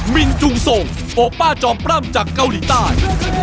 มินจุงทรงโอป้าจอมปล้ำจากเกาหลีใต้